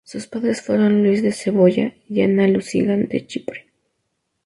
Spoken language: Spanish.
Sus padres fueron Luis de Saboya y Ana de Lusignan de Chipre.